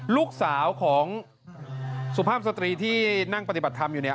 ลูกสาวของสุภาพสตรีที่นั่งปฏิบัติธรรมอยู่เนี่ย